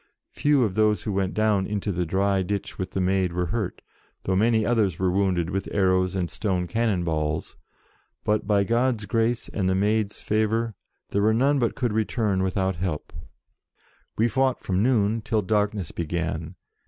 Few of those who went down into the dry ditch with the Maid were hurt, though many others were wounded with arrows and stone cannon balls, but, by God's grace and the Maid's favour, there were none but could return without help. We fought from noon till darkness began.